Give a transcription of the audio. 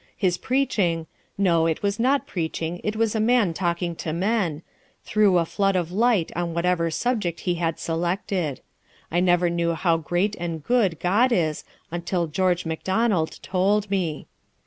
His preaching—no, it was not preaching, it was a man talking to men—threw a flood of light on whatever subject he had selected. I never knew how great and good God is till George Macdonald told me.